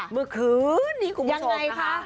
เมื่อคืนนี้คุณผู้ชมค่ะ